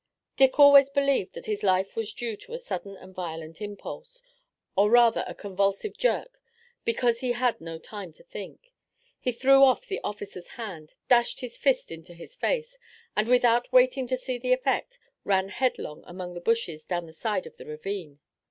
Dick always believed that his life was due to a sudden and violent impulse, or rather a convulsive jerk, because he had no time to think. He threw off the officer's hand, dashed his fist into his face, and, without waiting to see the effect, ran headlong among the bushes down the side of the ravine.